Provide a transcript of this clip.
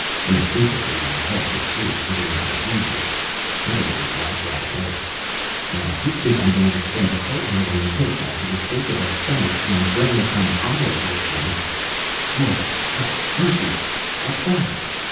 Instinctively I halted too, giving my reason. Heatherlegh rapped out an oath. "Now, if you think I'm going to spend a cold night on the hillside for the sake of a stomach cum Brain cum Eye illusion.... Lord, ha' mercy! What's that?"